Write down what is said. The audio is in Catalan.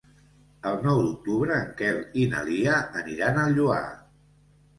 El nou d'octubre en Quel i na Lia aniran al Lloar.